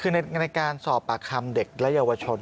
คือในการสอบปากคำเด็กและเยาวชน